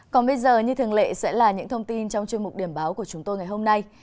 còn bây giờ như thường lệ sẽ là những thông tin trong chuyên mục điểm báo của chúng tôi ngày hôm nay